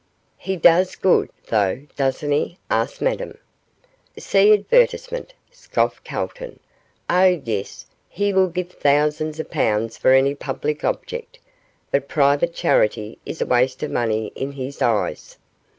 'He does good, though, doesn't he?' asked Madame. 'See advertisement,' scoffed Calton. 'Oh, yes! he will give thousands of pounds for any public object, but private charity is a waste of money in his eyes.